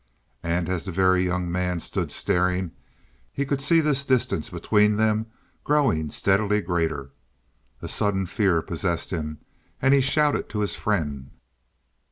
And as the Very Young Man stood staring, he could see this distance between them growing steadily greater. A sudden fear possessed him, and he shouted to his friend.